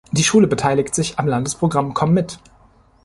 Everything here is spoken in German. Die Schule beteiligt sich am Landesprogramm "komm mit!